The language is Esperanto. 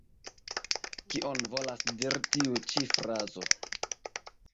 Kion volas diri tiu ĉi frazo?